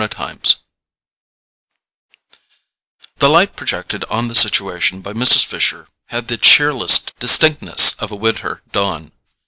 Chapter 7 The light projected on the situation by Mrs. Fisher had the cheerless distinctness of a winter dawn.